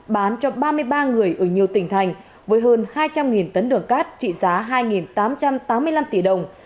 bán cho ba mươi ba người ở nhiều tỉnh thành với hơn hai trăm linh tấn đường cát trị giá hai tám trăm tám mươi năm tỷ đồng